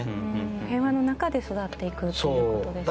平和の中で育っていくということですね。